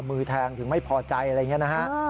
มือแทงถึงไม่พอใจอะไรอย่างนี้นะฮะ